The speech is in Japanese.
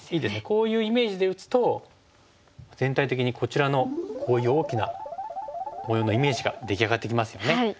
こういうイメージで打つと全体的にこちらのこういう大きな模様のイメージが出来上がってきますよね。